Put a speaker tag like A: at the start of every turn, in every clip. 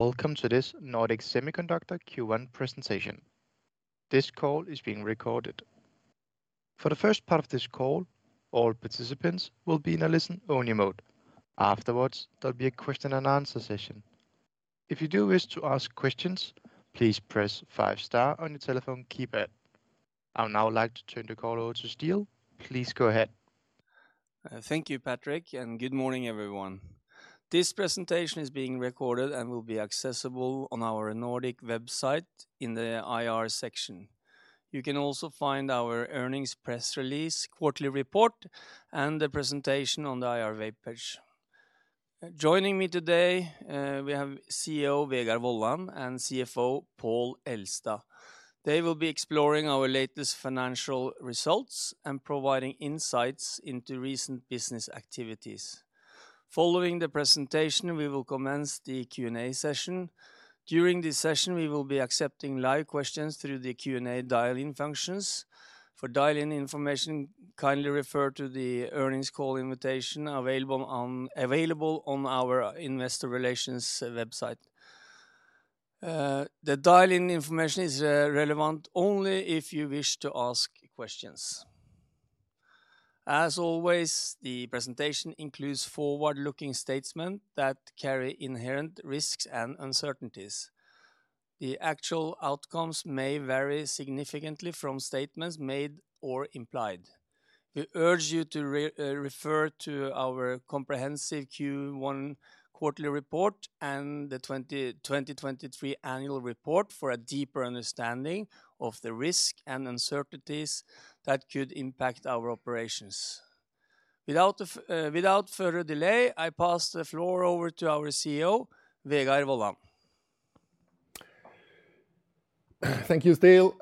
A: Welcome to this Nordic Semiconductor Q1 presentation. This call is being recorded. For the first part of this call, all participants will be in a listen-only mode. Afterwards, there'll be a question and answer session. If you do wish to ask questions, please press five star on your telephone keypad. I would now like to turn the call over to Steel. Please go ahead.
B: Thank you, Patrick, and good morning, everyone. This presentation is being recorded and will be accessible on our Nordic website in the IR section. You can also find our earnings press release, quarterly report, and the presentation on the IR webpage. Joining me today, we have CEO Vegard Wollan and CFO Pål Elstad. They will be exploring our latest financial results and providing insights into recent business activities. Following the presentation, we will commence the Q&A session. During this session, we will be accepting live questions through the Q&A dial-in functions. For dial-in information, kindly refer to the earnings call invitation available on our investor relations website. The dial-in information is relevant only if you wish to ask questions. As always, the presentation includes forward-looking statements that carry inherent risks and uncertainties. The actual outcomes may vary significantly from statements made or implied. We urge you to refer to our comprehensive Q1 quarterly report and the 2023 annual report for a deeper understanding of the risk and uncertainties that could impact our operations. Without further delay, I pass the floor over to our CEO, Vegard Wollan.
C: Thank you, Steel.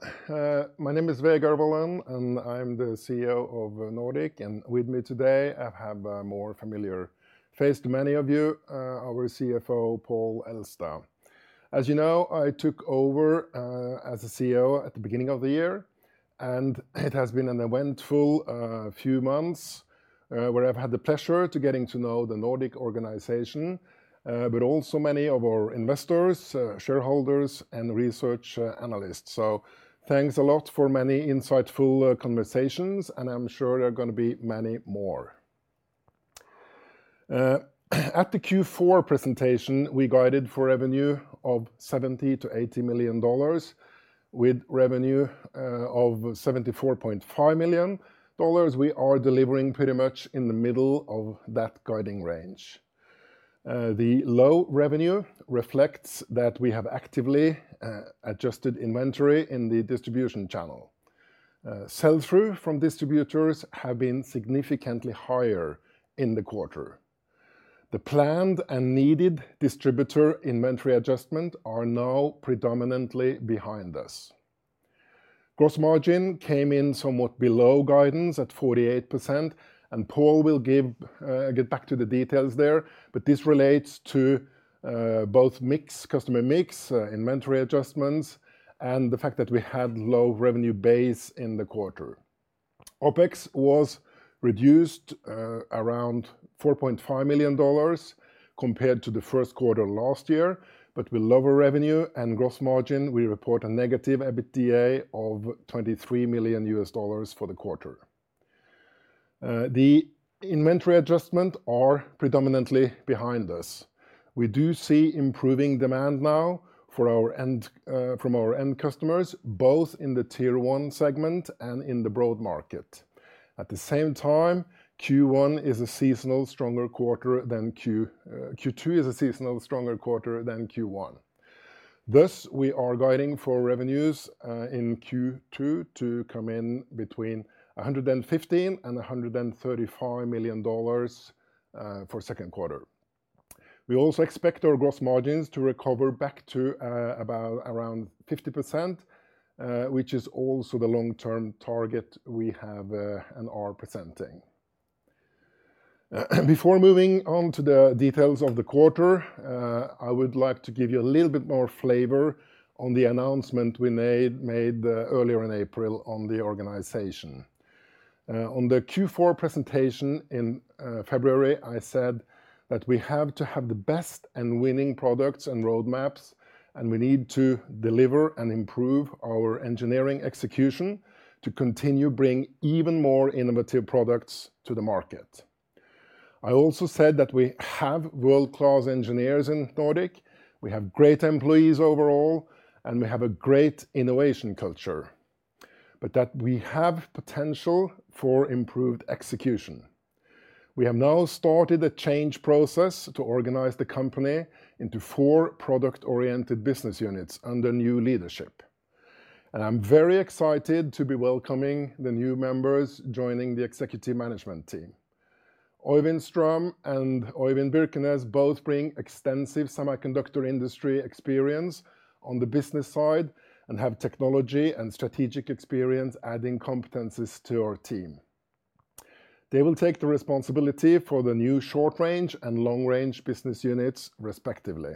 C: My name is Vegard Wollan, and I'm the CEO of Nordic, and with me today, I have a more familiar face to many of you, our CFO, Pål Elstad. As you know, I took over as a CEO at the beginning of the year, and it has been an eventful few months where I've had the pleasure to getting to know the Nordic organization, but also many of our investors, shareholders, and research analysts. So thanks a lot for many insightful conversations, and I'm sure there are gonna be many more. At the Q4 presentation, we guided for revenue of $70 million-$80 million, with revenue of $74.5 million. We are delivering pretty much in the middle of that guiding range. The low revenue reflects that we have actively adjusted inventory in the distribution channel. Sell-through from distributors have been significantly higher in the quarter. The planned and needed distributor inventory adjustment are now predominantly behind us. Gross margin came in somewhat below guidance at 48%, and Pål will give, get back to the details there, but this relates to both mix, customer mix, inventory adjustments, and the fact that we had low revenue base in the quarter. OPEX was reduced around $4.5 million compared to the Q1 last year, but with lower revenue and gross margin, we report a negative EBITDA of $23 million for the quarter. The inventory adjustment are predominantly behind us. We do see improving demand now for our end... from our end customers, both in the Tier One segment and in the broad market. At the same time, Q1 is a seasonal stronger quarter than Q2 is a seasonal stronger quarter than Q1. Thus, we are guiding for revenues in Q2 to come in between $115 million and $135 million for second quarter. We also expect our gross margins to recover back to about around 50%, which is also the long-term target we have and are presenting. Before moving on to the details of the quarter, I would like to give you a little bit more flavor on the announcement we made earlier in April on the organization. On the Q4 presentation in February, I said that we have to have the best and winning products and roadmaps, and we need to deliver and improve our engineering execution to continue bring even more innovative products to the market. I also said that we have world-class engineers in Nordic, we have great employees overall, and we have a great innovation culture, but that we have potential for improved execution. We have now started a change process to organize the company into four product-oriented business units under new leadership, and I'm very excited to be welcoming the new members joining the executive management team. Øyvind Strøm and Øyvind Birkenes both bring extensive semiconductor industry experience on the business side and have technology and strategic experience adding competencies to our team. They will take the responsibility for the new short-range and long-range business units, respectively.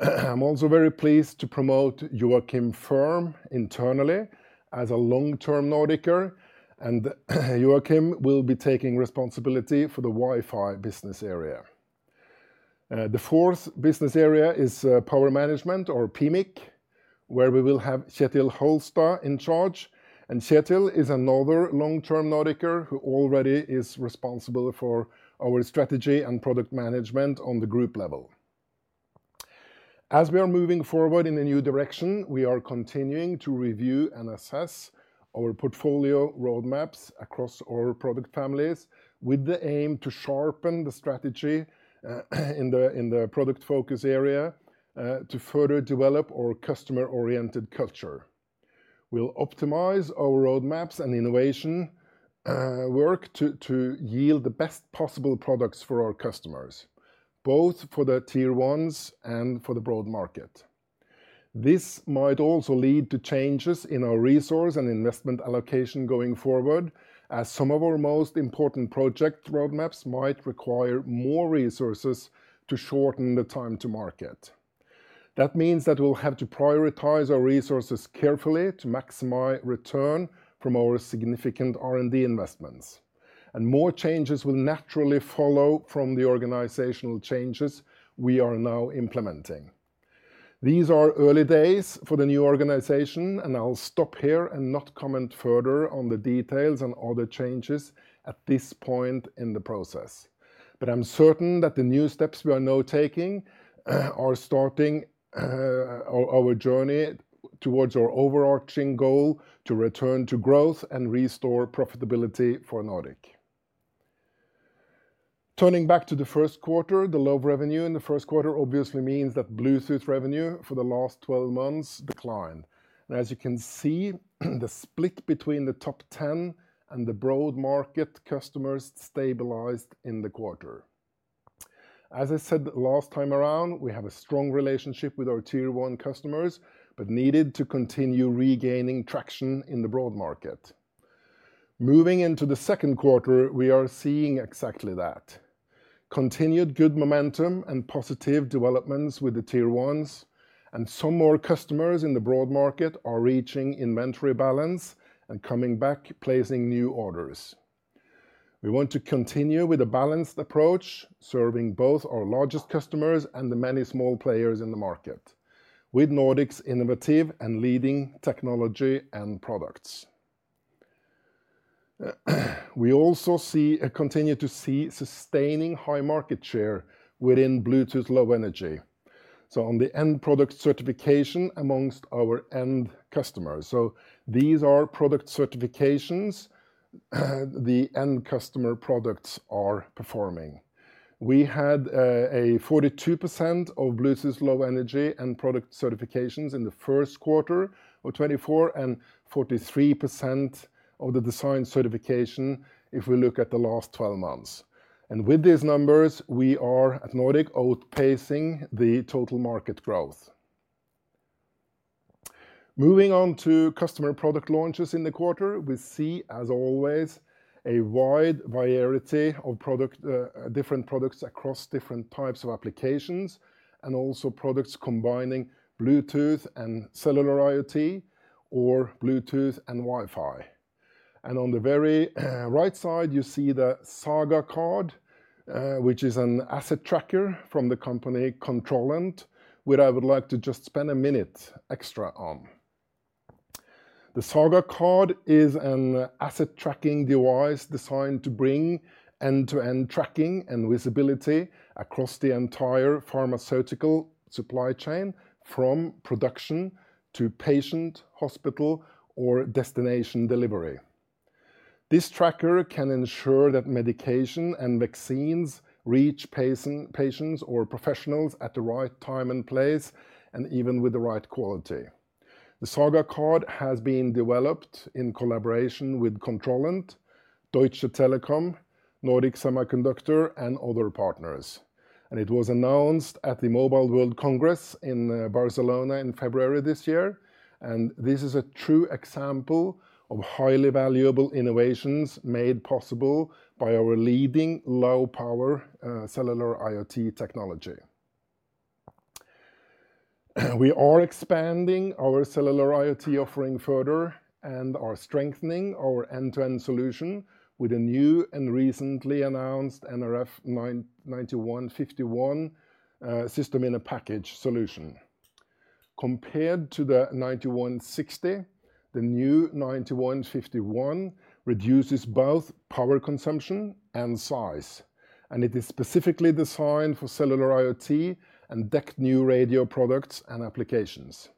C: I'm also very pleased to promote Joakim Ferm internally as a long-term Nordiker, and Joakim will be taking responsibility for the Wi-Fi business area. The fourth business area is power management, or PMIC, where we will have Kjetil Holstad in charge. And Kjetil is another long-term Nordicer who already is responsible for our strategy and product management on the group level. As we are moving forward in a new direction, we are continuing to review and assess our portfolio roadmaps across all product families, with the aim to sharpen the strategy in the product focus area to further develop our customer-oriented culture. We'll optimize our roadmaps and innovation work to yield the best possible products for our customers, both for the Tier ones and for the broad market. This might also lead to changes in our resource and investment allocation going forward, as some of our most important project roadmaps might require more resources to shorten the time to market. That means that we'll have to prioritize our resources carefully to maximize return from our significant R&D investments, and more changes will naturally follow from the organizational changes we are now implementing. These are early days for the new organization, and I'll stop here and not comment further on the details and other changes at this point in the process. But I'm certain that the new steps we are now taking are starting our journey towards our overarching goal to return to growth and restore profitability for Nordic. Turning back to the Q1, the low revenue in the Q1 obviously means that Bluetooth revenue for the last twelve months declined. As you can see, the split between the top ten and the broad market customers stabilized in the quarter. As I said last time around, we have a strong relationship with our Tier 1 customers, but needed to continue regaining traction in the broad market. Moving into the second quarter, we are seeing exactly that. Continued good momentum and positive developments with the Tier 1s, and some more customers in the broad market are reaching inventory balance and coming back, placing new orders. We want to continue with a balanced approach, serving both our largest customers and the many small players in the market, with Nordic's innovative and leading technology and products. We also see... continue to see sustaining high market share within Bluetooth Low Energy. So on the end product certification amongst our end customers. So these are product certifications, the end customer products are performing. We had a 42% of Bluetooth Low Energy and product certifications in the Q1 of 2024, and 43% of the design certification if we look at the last 12 months. And with these numbers, we are, at Nordic, outpacing the total market growth. Moving on to customer product launches in the quarter, we see, as always, a wide variety of product, different products across different types of applications, and also products combining Bluetooth and cellular IoT, or Bluetooth and Wi-Fi. And on the very right side, you see the SAGA card, which is an asset tracker from the company Controlant, where I would like to just spend a minute extra on. The SAGA card is an asset tracking device designed to bring end-to-end tracking and visibility across the entire pharmaceutical supply chain, from production to patient, hospital, or destination delivery. This tracker can ensure that medication and vaccines reach patients or professionals at the right time and place, and even with the right quality. The SAGA card has been developed in collaboration with Controlant, Deutsche Telekom, Nordic Semiconductor, and other partners. It was announced at the Mobile World Congress in Barcelona in February this year, and this is a true example of highly valuable innovations made possible by our leading low-power cellular IoT technology. We are expanding our cellular IoT offering further and are strengthening our end-to-end solution with a new and recently announced nRF9151 system-in-a-package solution. Compared to the nRF9160, the new nRF9151 reduces both power consumption and size, and it is specifically designed for cellular IoT and DECT NR+ products and applications.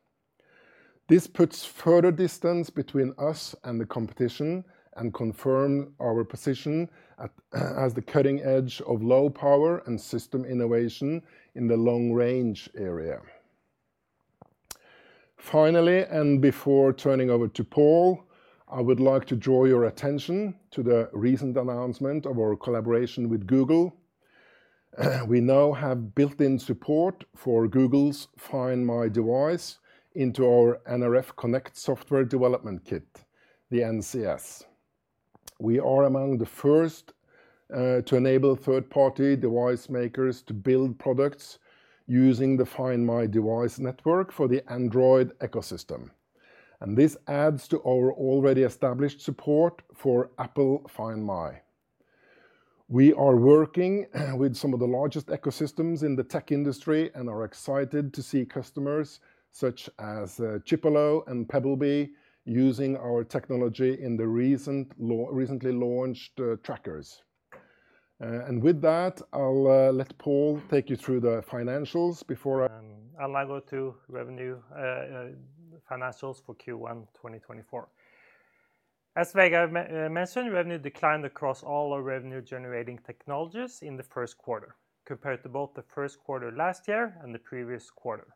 C: This puts further distance between us and the competition, and confirm our position as the cutting edge of low power and system innovation in the long range area. Finally, and before turning over to Paul, I would like to draw your attention to the recent announcement of our collaboration with Google. We now have built-in support for Google's Find My Device into our nRF Connect software development kit, the NCS. We are among the first to enable third-party device makers to build products using the Find My Device network for the Android ecosystem, and this adds to our already established support for Apple Find My. We are working with some of the largest ecosystems in the tech industry, and are excited to see customers such as Chipolo and Pebblebee using our technology in the recently launched trackers. With that, I'll let Pål take you through the financials before—
D: I'll now go to revenue, financials for Q1 2024. As Vegard mentioned, revenue declined across all our revenue-generating technologies in the Q1, compared to both the Q1 last year and the previous quarter.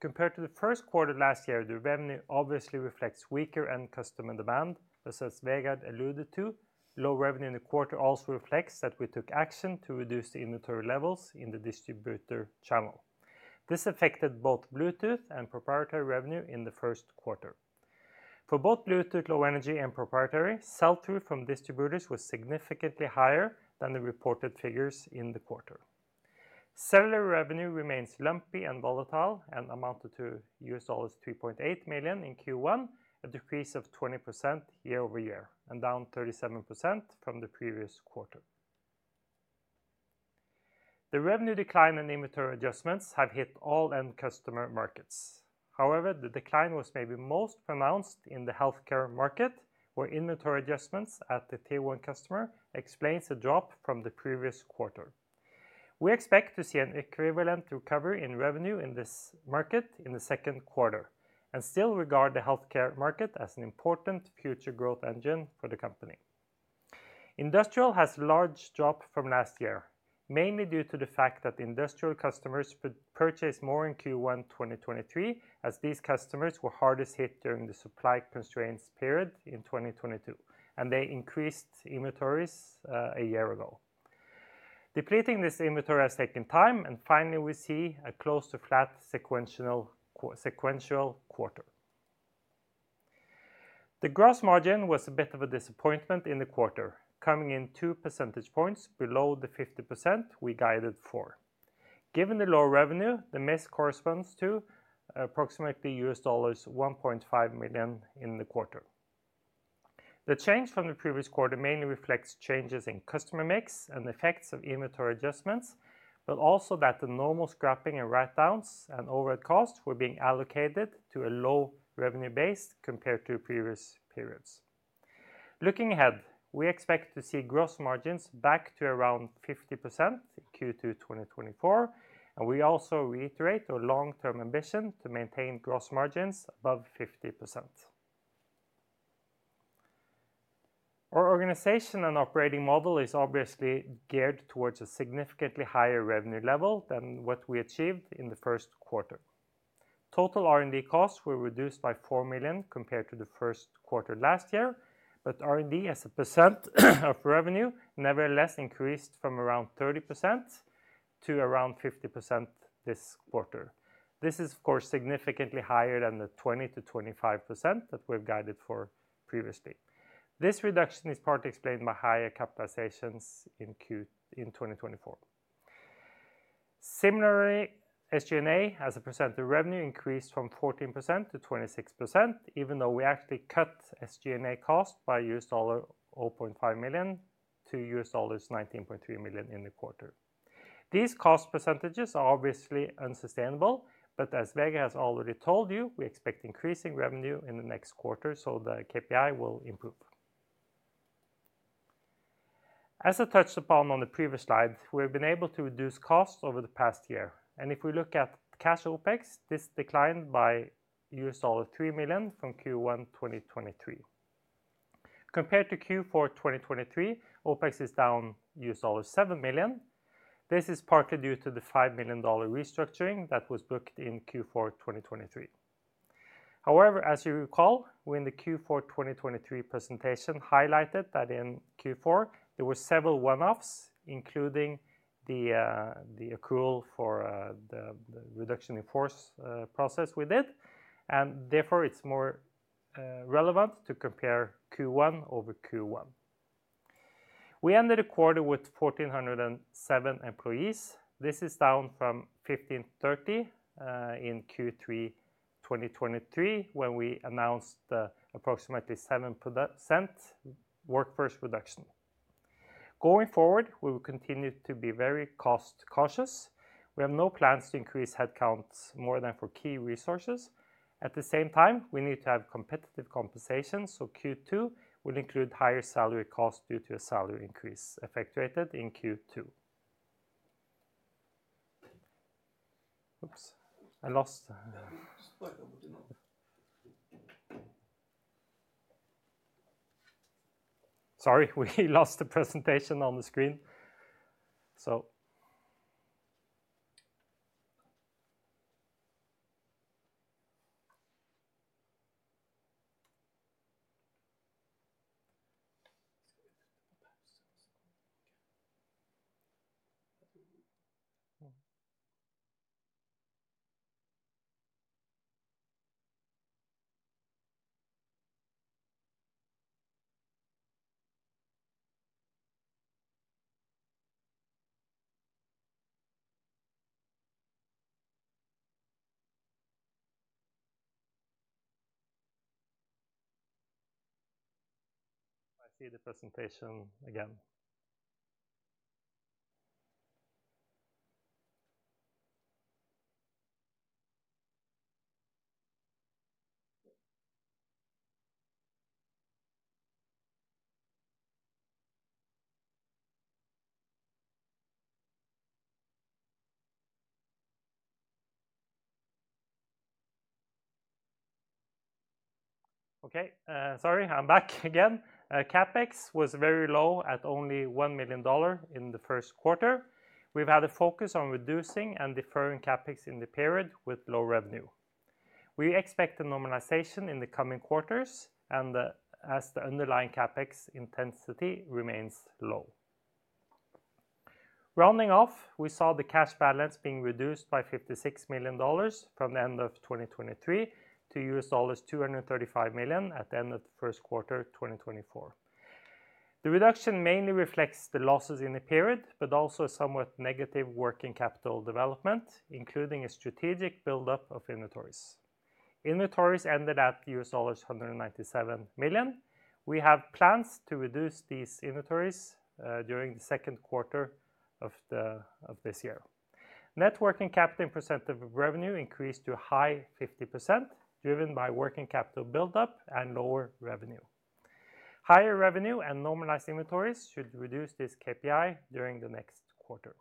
D: Compared to the Q1 last year, the revenue obviously reflects weaker end customer demand. As Vegard alluded to, low revenue in the quarter also reflects that we took action to reduce the inventory levels in the distributor channel. This affected both Bluetooth and proprietary revenue in the Q1. For both Bluetooth Low Energy and proprietary, sell-through from distributors was significantly higher than the reported figures in the quarter. Cellular revenue remains lumpy and volatile, and amounted to $3.8 million in Q1, a decrease of 20% year-over-year, and down 37% from the previous quarter. The revenue decline and inventory adjustments have hit all end customer markets. However, the decline was maybe most pronounced in the healthcare market, where inventory adjustments at the tier one customer explains the drop from the previous quarter. We expect to see an equivalent recovery in revenue in this market in the second quarter, and still regard the healthcare market as an important future growth engine for the company. Industrial has large drop from last year, mainly due to the fact that the industrial customers purchased more in Q1 2023, as these customers were hardest hit during the supply constraints period in 2022, and they increased inventories a year ago. Depleting this inventory has taken time, and finally, we see a close to flat sequential quarter. The gross margin was a bit of a disappointment in the quarter, coming in two percentage points below the 50% we guided for. Given the low revenue, the miss corresponds to approximately $1.5 million in the quarter. The change from the previous quarter mainly reflects changes in customer mix and the effects of inventory adjustments, but also that the normal scrapping and write-downs and overhead costs were being allocated to a low revenue base compared to previous periods. Looking ahead, we expect to see gross margins back to around 50% in Q2 2024, and we also reiterate our long-term ambition to maintain gross margins above 50%. Our organization and operating model is obviously geared towards a significantly higher revenue level than what we achieved in the Q1. Total R&D costs were reduced by $4 million compared to the Q1 last year, but R&D, as a percent of revenue, nevertheless increased from around 30% to around 50% this quarter. This is, of course, significantly higher than the 20%-25% that we've guided for previously. This reduction is partly explained by higher capitalizations in 2024. Similarly, SG&A, as a percent of revenue, increased from 14% to 26%, even though we actually cut SG&A costs by $0.5 million to $19.3 million in the quarter. These cost percentages are obviously unsustainable, but as Vegard has already told you, we expect increasing revenue in the next quarter, so the KPI will improve. As I touched upon on the previous slide, we've been able to reduce costs over the past year, and if we look at cash OpEx, this declined by $3 million from Q1 2023. Compared to Q4 2023, OpEx is down $7 million. This is partly due to the $5 million restructuring that was booked in Q4 2023. However, as you recall, we, in the Q4 2023 presentation, highlighted that in Q4, there were several one-offs, including the accrual for the reduction in force process we did, and therefore, it's more relevant to compare Q1 over Q1. We ended the quarter with 1,407 employees. This is down from 1,530 in Q3 2023, when we announced the approximately 7% workforce reduction. Going forward, we will continue to be very cost-cautious. We have no plans to increase headcounts more than for key resources. At the same time, we need to have competitive compensation, so Q2 will include higher salary costs due to a salary increase effectuated in Q2. Oops, I lost. Sorry, we lost the presentation on the screen. So, I see the presentation again. Okay, sorry, I'm back again. CapEx was very low at only $1 million in the Q1. We've had a focus on reducing and deferring CapEx in the period with low revenue. We expect a normalization in the coming quarters, and as the underlying CapEx intensity remains low. Rounding off, we saw the cash balance being reduced by $56 million from the end of 2023 to $235 million at the end of the Q1, 2024. The reduction mainly reflects the losses in the period, but also a somewhat negative working capital development, including a strategic buildup of inventories. Inventories ended at $197 million. We have plans to reduce these inventories during the second quarter of this year. Net working capital percentage of revenue increased to a high 50%, driven by working capital buildup and lower revenue. Higher revenue and normalized inventories should reduce this KPI during the next quarter.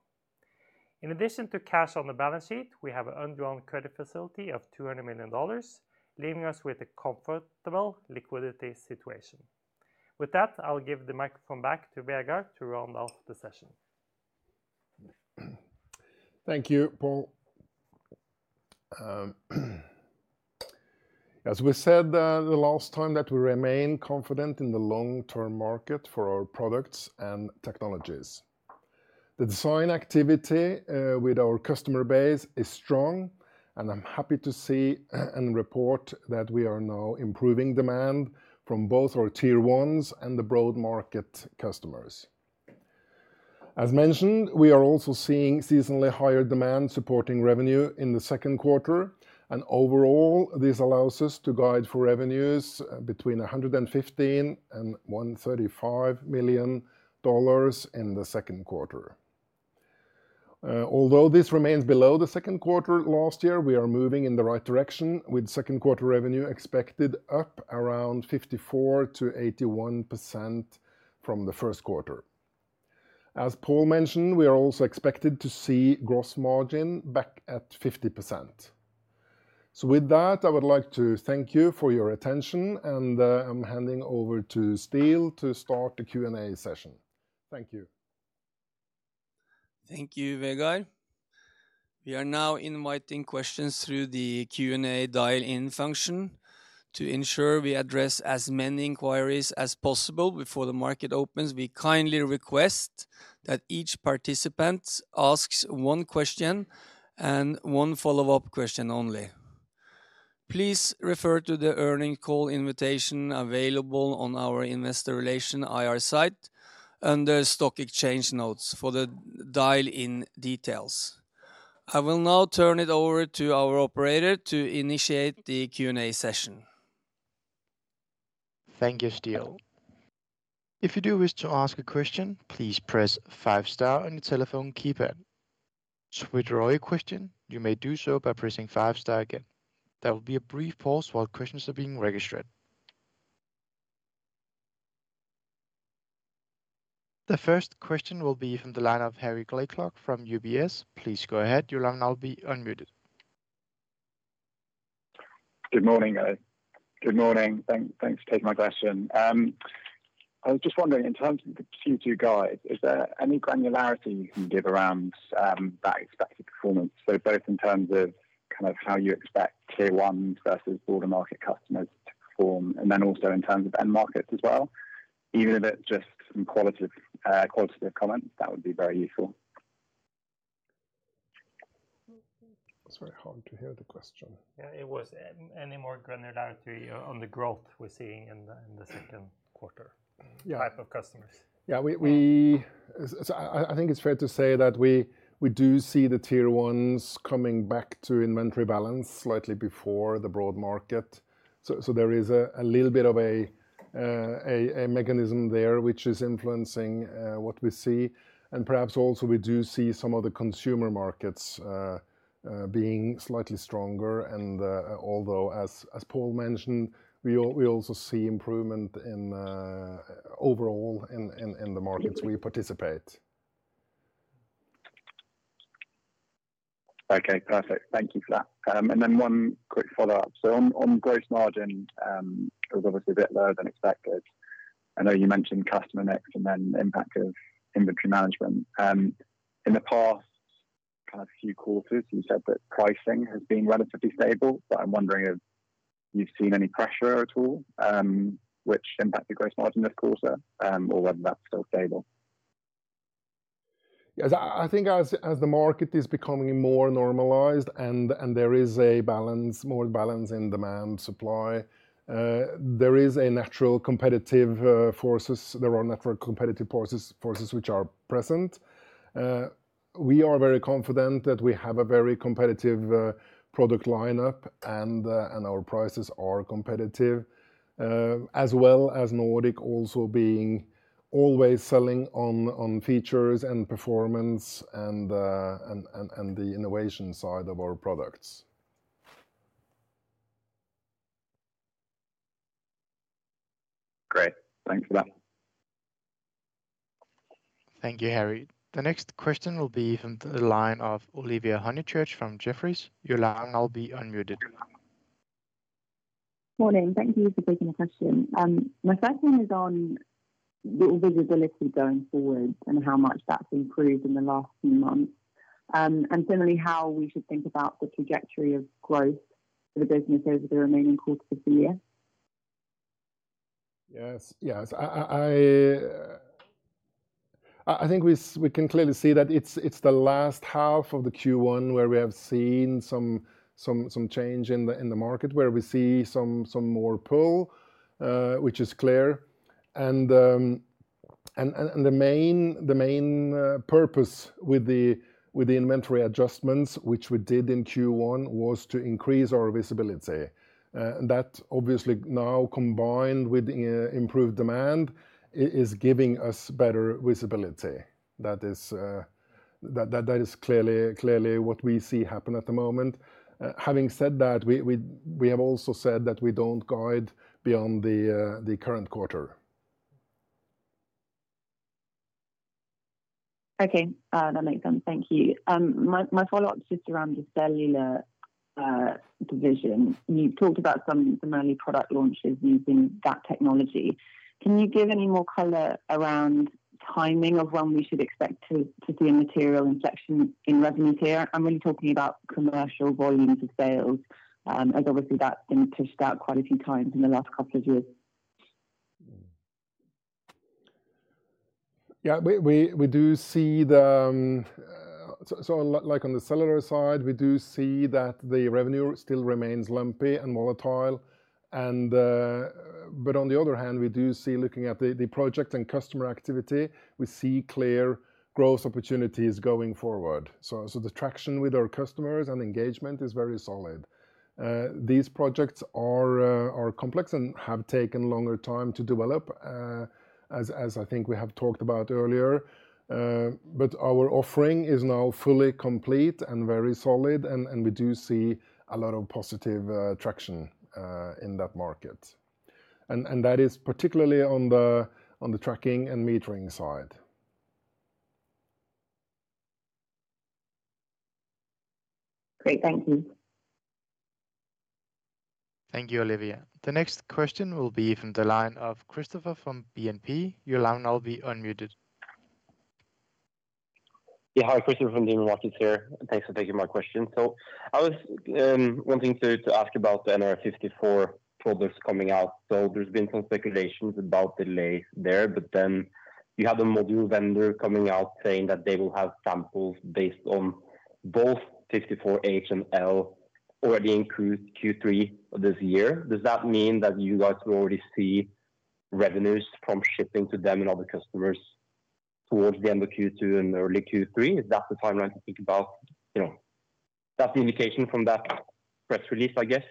D: In addition to cash on the balance sheet, we have an undrawn credit facility of $200 million, leaving us with a comfortable liquidity situation. With that, I'll give the microphone back to Vegard to round off the session.
C: Thank you, Pål. As we said, the last time, that we remain confident in the long-term market for our products and technologies. The design activity with our customer base is strong, and I'm happy to see and report that we are now improving demand from both our tier ones and the broad market customers. As mentioned, we are also seeing seasonally higher demand supporting revenue in the second quarter, and overall, this allows us to guide for revenues between $115 million and $135 million in the second quarter. Although this remains below the second quarter last year, we are moving in the right direction, with second quarter revenue expected up around 54%-81% from the Q1. As Pål mentioned, we are also expected to see gross margin back at 50%. So with that, I would like to thank you for your attention, and, I'm handing over to Steel to start the Q&A session. Thank you.
B: Thank you, Vegard. We are now inviting questions through the Q&A dial-in function. To ensure we address as many inquiries as possible before the market opens, we kindly request that each participant asks one question and one follow-up question only. Please refer to the earnings call invitation available on our investor relations IR site under stock exchange notes for the dial-in details. I will now turn it over to our operator to initiate the Q&A session.
A: Thank you, Steel. If you do wish to ask a question, please press five star on your telephone keypad. To withdraw your question, you may do so by pressing five star again. There will be a brief pause while questions are being registered. The first question will be from the line of Harry Blaiklock from UBS. Please go ahead. You'll now be unmuted.
E: Good morning. Good morning. Thanks for taking my question. I was just wondering, in terms of the Q2 guide, is there any granularity you can give around that expected performance? So both in terms of kind of how you expect tier one versus broader market customers to perform, and then also in terms of end markets as well? Even if it's just some qualitative comment, that would be very useful.
C: It's very hard to hear the question.
D: Yeah, it was any more granularity on the growth we're seeing in the, in the second quarter?
C: Yeah
D: -type of customers.
C: slightly before the broad market. So, I think it's fair to say that we do see the tier ones coming back to inventory balance slightly before the broad market. So, there is a little bit of a mechanism there, which is influencing what we see. And perhaps also we do see some of the consumer markets being slightly stronger. And, although, as Pål mentioned, we also see improvement overall in the markets we participate.
E: Okay, perfect. Thank you for that. And then one quick follow-up. So on gross margin, it was obviously a bit lower than expected. I know you mentioned customer mix and then impact of inventory management. In the past kind of few quarters, you said that pricing has been relatively stable, but I'm wondering if you've seen any pressure at all, which impacted gross margin this quarter, or whether that's still stable?
C: Yes, I think as the market is becoming more normalized and there is a balance, more balance in demand, supply, there is a natural competitive forces. There are natural competitive forces, forces which are present. We are very confident that we have a very competitive product lineup, and our prices are competitive. As well as Nordic also being always selling on features and performance and the innovation side of our products.
E: Great. Thanks for that.
A: Thank you, Harry. The next question will be from the line of Olivia Honychurch from Jefferies. Your line will now be unmuted.
F: Morning. Thank you for taking the question. My first one is on the visibility going forward and how much that's improved in the last few months. And generally, how we should think about the trajectory of growth for the business over the remaining course of the year?
C: Yes. Yes. I think we can clearly see that it's the last half of the Q1, where we have seen some change in the market, where we see some more pull, which is clear. And the main purpose with the inventory adjustments, which we did in Q1, was to increase our visibility. And that obviously now combined with improved demand is giving us better visibility. That is... That is clearly what we see happen at the moment. Having said that, we have also said that we don't guide beyond the current quarter.
F: Okay. That makes sense. Thank you. My follow-up is just around the cellular division. You talked about some early product launches using that technology. Can you give any more color around timing of when we should expect to see a material inflection in revenues here? I'm really talking about commercial volumes of sales, as obviously that's been pushed out quite a few times in the last couple of years.
C: Yeah. We do see the... So, like on the cellular side, we do see that the revenue still remains lumpy and volatile, and- but on the other hand, we do see, looking at the project and customer activity, we see clear growth opportunities going forward. So, the traction with our customers and engagement is very solid. These projects are complex and have taken longer time to develop, as I think we have talked about earlier. But our offering is now fully complete and very solid, and we do see a lot of positive traction in that market. And that is particularly on the tracking and metering side.
F: Great. Thank you.
A: Thank you, Olivia. The next question will be from the line of Christopher from BNP. Your line now will be unmuted.
G: Yeah. Hi, Christopher from BNP Paribas here. Thanks for taking my question. So I was wanting to ask you about the nRF54 products coming out. So there's been some speculations about delays there, but then you have a module vendor coming out saying that they will have samples based on both nRF54H and nRF54L already in Q3 of this year. Does that mean that you guys will already see revenues from shipping to them and other customers towards the end of Q2 and early Q3? Is that the timeline to think about? You know, that's the indication from that press release, I guess.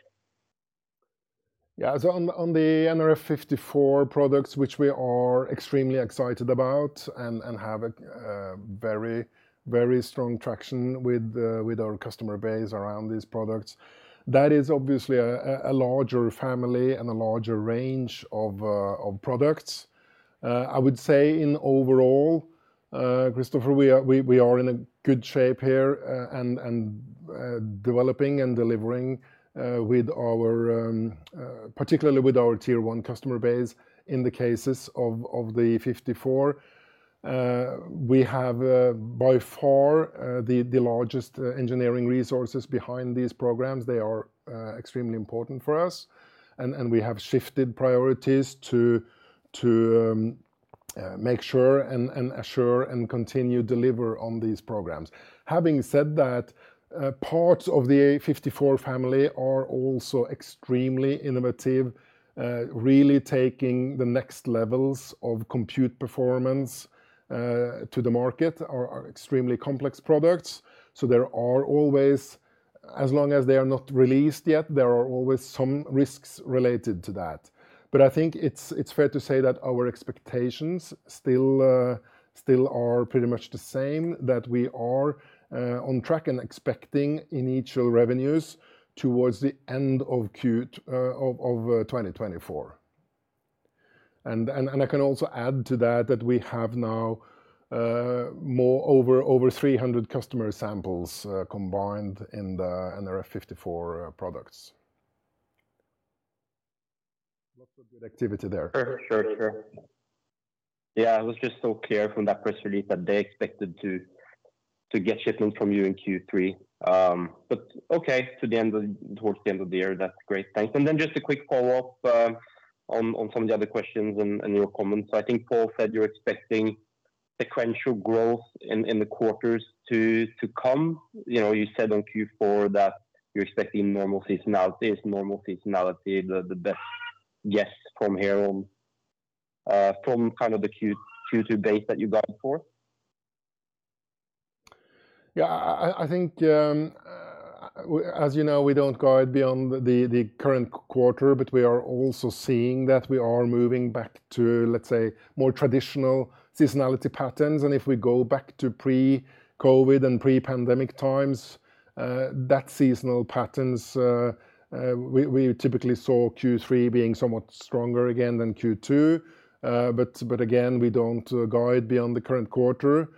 C: Yeah. So on the nRF54 products, which we are extremely excited about and have a very, very strong traction with our customer base around these products, that is obviously a larger family and a larger range of products. I would say overall, Christoffer, we are in a good shape here, and developing and delivering particularly with our tier one customer base, in the cases of the 54. We have by far the largest engineering resources behind these programs. They are extremely important for us, and we have shifted priorities to make sure and assure and continue deliver on these programs. Having said that, parts of the nRF54 family are also extremely innovative, really taking the next levels of compute performance to the market, are extremely complex products. So there are always, as long as they are not released yet, there are always some risks related to that. But I think it's fair to say that our expectations still are pretty much the same, that we are on track and expecting initial revenues towards the end of Q of 2024. And I can also add to that, that we have now over 300 customer samples combined in the nRF54 products. Lots of good activity there.
G: Sure. Sure, sure. Yeah, it was just so clear from that press release that they expected to get shipments from you in Q3. But okay, towards the end of the year. That's great. Thanks. Then just a quick follow-up on some of the other questions and your comments. I think Pål said you're expecting sequential growth in the quarters to come. You know, you said on Q4 that you're expecting normal seasonality. Is normal seasonality the best guess from here on?... from kind of the Q2 base that you got it for?
C: Yeah, I think, as you know, we don't guide beyond the current quarter, but we are also seeing that we are moving back to, let's say, more traditional seasonality patterns. And if we go back to pre-COVID and pre-pandemic times, that seasonal patterns we typically saw Q3 being somewhat stronger again than Q2. But again, we don't guide beyond the current quarter,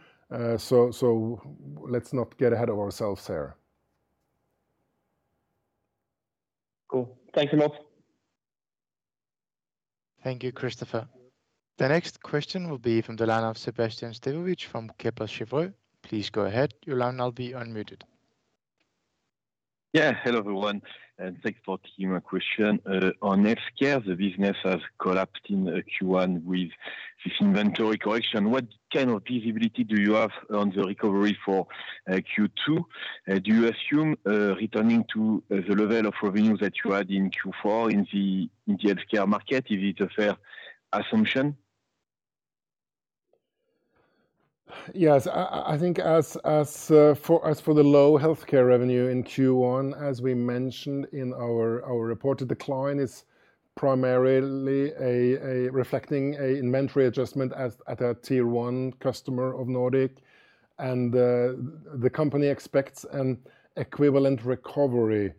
C: so let's not get ahead of ourselves there.
G: Cool. Thank you a lot.
A: Thank you, Christopher. The next question will be from the line of Sébastien Sztabowicz from Kepler Cheuvreux. Please go ahead. Your line now will be unmuted.
H: Yeah. Hello, everyone, and thanks for taking my question. On healthcare, the business has collapsed in Q1 with this inventory correction. What kind of visibility do you have on the recovery for Q2? Do you assume returning to the level of revenue that you had in Q4 in the healthcare market? Is it a fair assumption?
C: Yes. I think as for the low healthcare revenue in Q1, as we mentioned in our report, the decline is primarily reflecting an inventory adjustment at a tier one customer of Nordic. And the company expects an equivalent recovery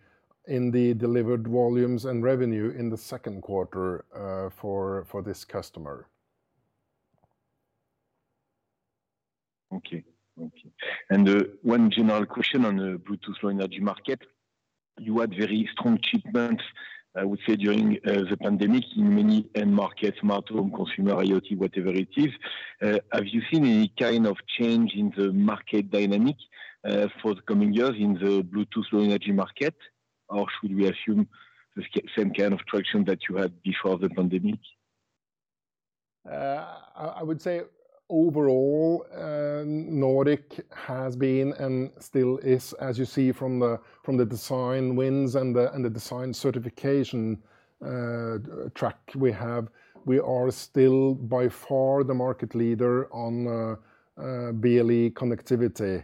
C: in the delivered volumes and revenue in the second quarter, for this customer.
H: Okay. Okay. And one general question on the Bluetooth Low Energy market. You had very strong shipments, I would say, during the pandemic in many end markets, smart home, consumer, IoT, whatever it is. Have you seen any kind of change in the market dynamic for the coming years in the Bluetooth Low Energy market? Or should we assume the same kind of traction that you had before the pandemic?
C: I would say overall, Nordic has been and still is, as you see from the design wins and the design certification track we have. We are still by far the market leader on BLE connectivity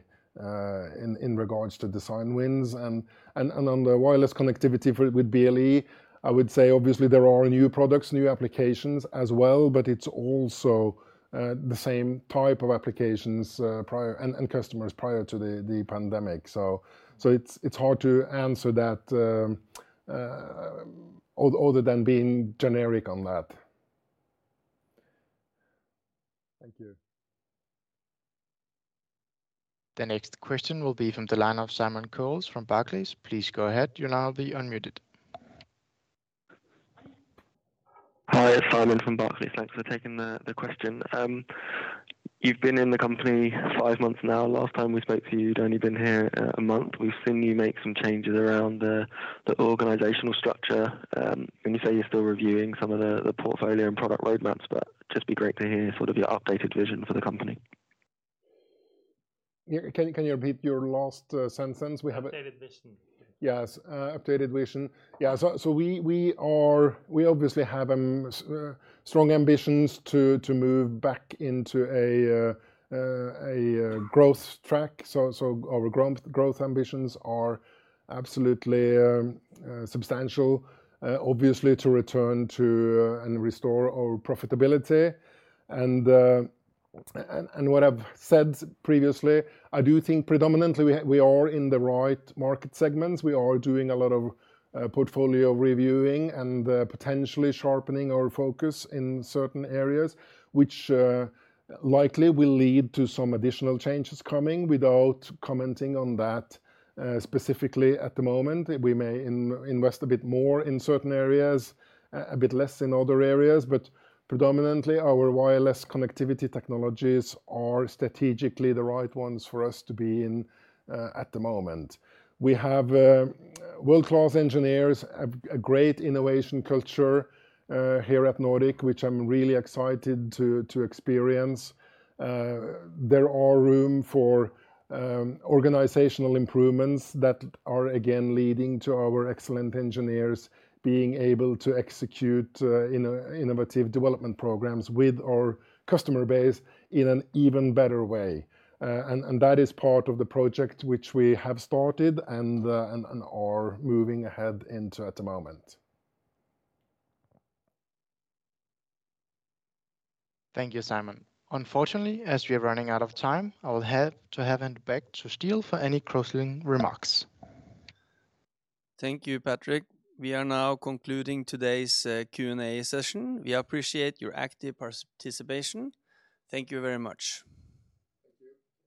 C: in regards to design wins. And on the wireless connectivity for with BLE, I would say obviously there are new products, new applications as well, but it's also the same type of applications prior, and customers prior to the pandemic. So it's hard to answer that other than being generic on that.
H: Thank you.
A: The next question will be from the line of Simon Coles from Barclays. Please go ahead. You'll now be unmuted.
I: Hi, Simon from Barclays. Thanks for taking the question. You've been in the company five months now. Last time we spoke to you, you'd only been here a month. We've seen you make some changes around the organizational structure. And you say you're still reviewing some of the portfolio and product roadmaps, but just be great to hear sort of your updated vision for the company.
C: Yeah. Can you repeat your last sentence? We have a-
I: Updated vision.
C: Yes, updated vision. Yeah. So we are. We obviously have strong ambitions to move back into a growth track. So our growth ambitions are absolutely substantial, obviously to return to and restore our profitability. And what I've said previously, I do think predominantly we are in the right market segments. We are doing a lot of portfolio reviewing and potentially sharpening our focus in certain areas, which likely will lead to some additional changes coming, without commenting on that specifically at the moment. We may invest a bit more in certain areas, a bit less in other areas. But predominantly, our wireless connectivity technologies are strategically the right ones for us to be in at the moment. We have world-class engineers, a great innovation culture here at Nordic, which I'm really excited to experience. There are room for organizational improvements that are, again, leading to our excellent engineers being able to execute innovative development programs with our customer base in an even better way. And that is part of the project which we have started and are moving ahead into at the moment.
A: Thank you, Simon. Unfortunately, as we are running out of time, I will have to hand back to Ståle for any closing remarks.
B: Thank you, Patrick. We are now concluding today's Q&A session. We appreciate your active participation. Thank you very much.
C: Thank you.